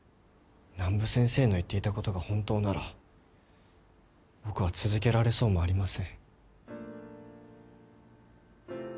南武先生の言っていたことが本当なら僕は続けられそうもありません。